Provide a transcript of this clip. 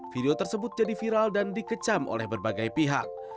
video tersebut jadi viral dan dikecam oleh berbagai pihak